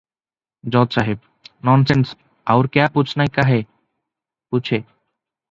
ଜଜ୍ ସାହେବ -"ନନ୍ସେନ୍ସ! ଆଉର କ୍ୟା ପୁଚ୍ଛ୍ ନେକା ହେ ପୁଚ୍ଛେ ।